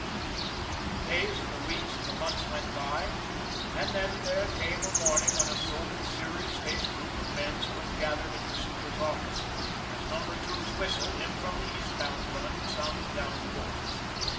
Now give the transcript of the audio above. The days and the weeks and the months went by, and then there came a morning when a sober , serious faced group of men stood gathered in the super's office, as Number Two's whistle, in from the Eastbound run, sounded down the gorge.